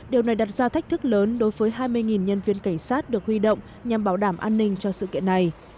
điều này đặt ra thách thức lớn đối với hai mươi nhân viên cảnh sát được huy động nhằm bảo đảm an ninh cho sự kiện này